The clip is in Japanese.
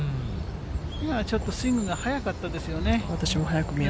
今はちょっとスイングが速かったですよね。